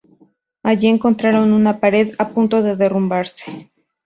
Allí encontraron una pared a punto de derrumbarse.